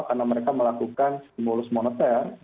karena mereka melakukan simbolus moneter